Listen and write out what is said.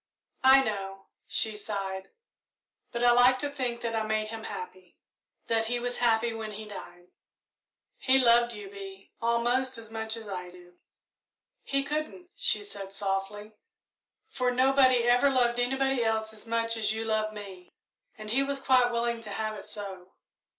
"I know," she sighed; "but I like to think that I made him happy that he was happy when he died." "He loved you, Bee almost as much as I do." "He couldn't," she said softly, "for nobody ever loved anybody else as much as you love me"; and he was quite willing to have it so.